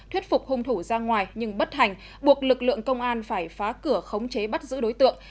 thuyết phục hung thủ ra ngoài nhưng bất hành buộc lực lượng công an phải phá cửa khống chế bắt giữ đối tượng